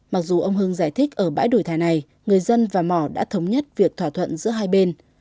mặc dù ông hưng giải thích ở bãi đổi thẻ này người dân và mỏ đã thống nhất việc thỏa thuận giữa hai bên